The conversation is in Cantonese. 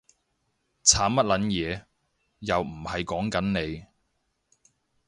慘乜撚嘢？，又唔係溝緊你